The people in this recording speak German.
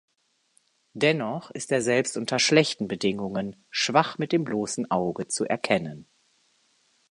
Dennoch ist er selbst unter schlechten Bedingungen schwach mit dem bloßen Auge zu erkennen.